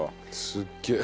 すっげえ。